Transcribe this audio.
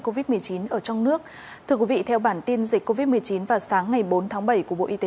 covid một mươi chín ở trong nước thưa quý vị theo bản tin dịch covid một mươi chín vào sáng ngày bốn tháng bảy của bộ y tế